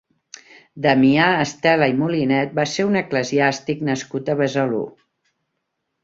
Damià Estela i Molinet va ser un eclesiàstic nascut a Besalú.